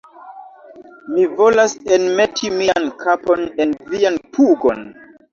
Mi volas enmeti mian kapon en vian pugon!